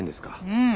うん。